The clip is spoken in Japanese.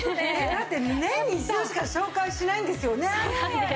だって年に一度しか紹介しないんですよね。